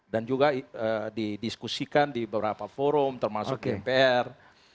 dan juga didiskusikan di beberapa forum termasuk gpr